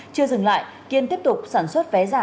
chưa dừng lại kiên tiếp tục sản xuất vé giả